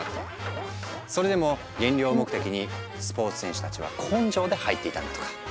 それでも減量目的にスポーツ選手たちは根性で入っていたんだとか。